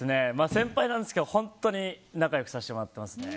先輩なんですけど本当に仲良くさせてもらってますね。